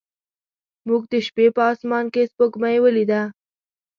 موږ د شپې په اسمان کې سپوږمۍ ولیده.